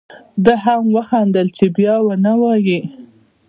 ده هم وخندل چې بیا و نه وایې.